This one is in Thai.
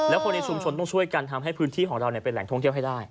แล้วคนในชุมชนต้องช่วยกันทำให้พื้นที่ของเราเป็นแหล่งท่องเที่ยวให้ได้